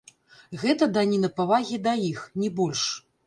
Гэта даніна павагі да іх, не больш.